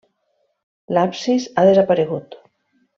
L'absis ha desaparegut.